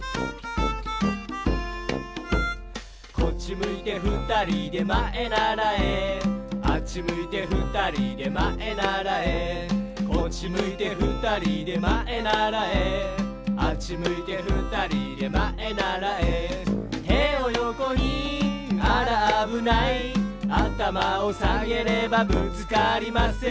「こっちむいてふたりでまえならえ」「あっちむいてふたりでまえならえ」「こっちむいてふたりでまえならえ」「あっちむいてふたりでまえならえ」「てをよこにあらあぶない」「あたまをさげればぶつかりません」